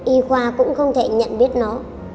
y khoa cũng không thể nhận biết nó